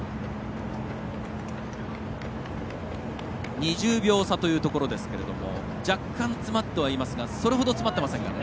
２０秒差というところですが若干、詰まってはいますがそれほど詰まってませんね。